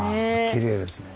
きれいですね。